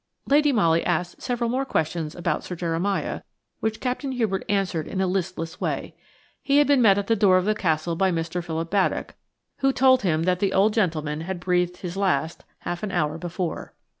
Lady Molly asked several more questions about Sir Jeremiah, which Captain Hubert answered in a listless way. He had been met at the door of the Castle by Mr. Philip Baddock, who told him that the old gentleman had breathed his last half an hour before.